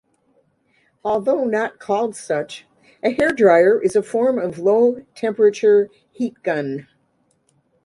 Although not called such, a hair dryer is a form of low-temperature heat gun.